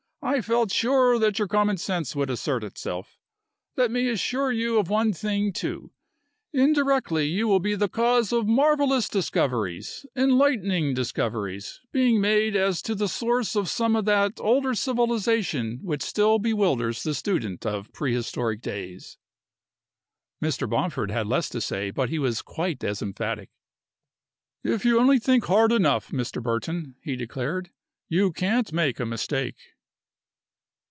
I felt sure that your common sense would assert itself. Let me assure you of one thing, too. Indirectly you will be the cause of marvelous discoveries, enlightening discoveries, being made as to the source of some of that older civilization which still bewilders the student of prehistoric days." Mr. Bomford had less to say but he was quite as emphatic. "If you only think hard enough, Mr. Burton," he declared, "you can't make a mistake."